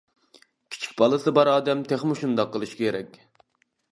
كىچىك بالىسى بار ئادەم تېخىمۇ شۇنداق قىلىشى كېرەك.